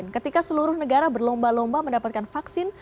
ketika seluruh negara berlomba lomba mendapatkan vaksin